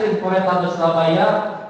informatik pt surabaya